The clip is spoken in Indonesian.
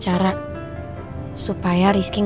bahkan kalian semuanya orang mareng